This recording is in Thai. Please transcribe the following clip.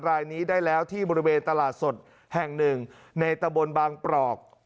รายนี้ได้แล้วที่บริเวณตลาดสดแห่งหนึ่งในตะบนบางปรอก